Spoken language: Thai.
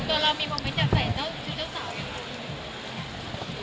ตอนร้านมีมอเมนต์อยากใส่ที่เจ้าเจ้าสาวนี่บ้าง